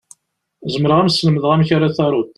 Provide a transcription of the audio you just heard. Zemreɣ ad m-slemdeɣ amek ara taruḍ.